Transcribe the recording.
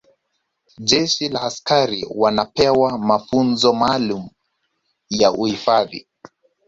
jeshi la askari wanapewa mafunzo maalumu ya uhifadhi